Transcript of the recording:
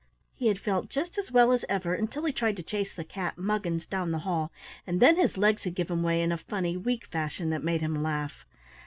He had felt just as well as ever until he tried to chase the cat, Muggins, down the hall, and then his legs had given way in a funny, weak fashion that made him laugh.